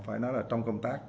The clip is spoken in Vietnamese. phải nói là trong công tác